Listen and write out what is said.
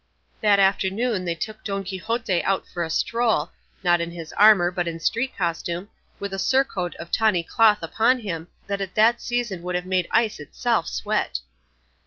That afternoon they took Don Quixote out for a stroll, not in his armour but in street costume, with a surcoat of tawny cloth upon him, that at that season would have made ice itself sweat.